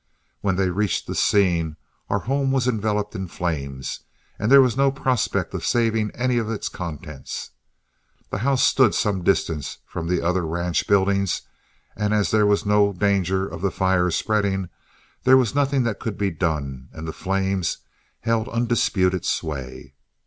When they reached the scene our home was enveloped in flames, and there was no prospect of saving any of its contents. The house stood some distance from the other ranch buildings, and as there was no danger of the fire spreading, there was nothing that could be done and the flames held undisputed sway.